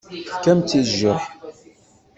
Tefkamt-tt i jjiḥ.